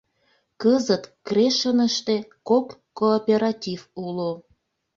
Кызыт Крешыныште кок кооператив уло.